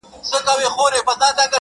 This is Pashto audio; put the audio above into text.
په تېرو اوبو پسي چا يوم نه وي اخستی.